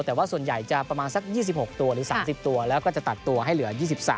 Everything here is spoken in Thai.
แต่ว่าส่วนใหญ่จะประมาณสัก๒๖ตัวหรือ๓๐ตัวแล้วก็จะตัดตัวให้เหลือ๒๓